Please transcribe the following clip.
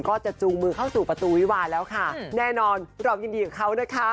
จูงมือเข้าสู่ประตูวิวาแล้วค่ะแน่นอนเรายินดีกับเขานะคะ